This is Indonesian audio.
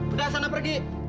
udah sana pergi